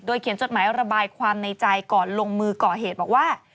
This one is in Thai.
เขียนจดหมายระบายความในใจก่อนลงมือก่อเหตุบอกว่า